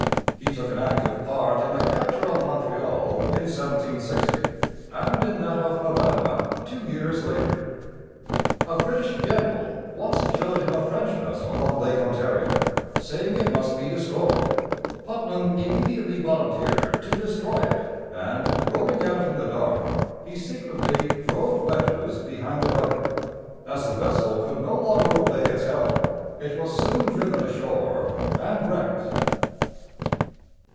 He took an active part in the capture of Montreal in 1760, and in that of Havana two years later. A British general once showed him a French vessel on Lake Ontario, saying it must be destroyed. Putnam immediately volunteered to destroy it, and rowing out in the dark, he secretly drove wedges behind the rudder. As the vessel could no longer obey its helm, it was soon driven ashore and wrecked.